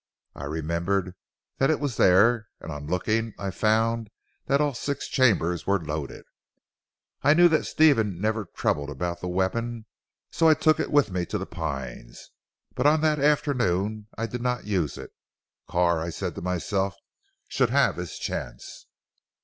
I remembered that it was there, and on looking I found that all six chambers were loaded. I knew that Stephen never troubled about the weapon, so I took it with me to 'The Pines.' But on that afternoon I did not use it. Carr, I said to myself, should have his chance.